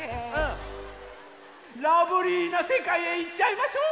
ラブリーなせかいへいっちゃいましょう！